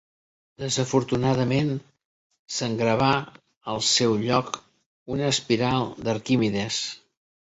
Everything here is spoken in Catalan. Desafortunadament, se'n gravà al seu lloc una espiral d'Arquimedes.